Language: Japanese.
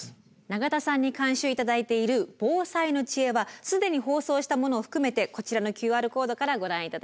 永田さんに監修頂いている「防災の知恵」は既に放送したものを含めてこちらのＱＲコードからご覧頂けます。